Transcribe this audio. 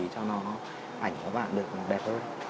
cho nó ảnh của bạn được đẹp hơn